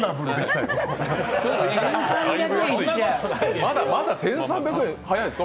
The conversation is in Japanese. まだまだ１３００円、早いんですか？